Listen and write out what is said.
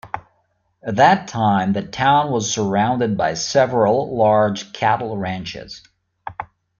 At that time the town was surrounded by several large cattle ranches.